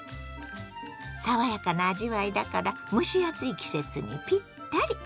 爽やかな味わいだから蒸し暑い季節にピッタリ。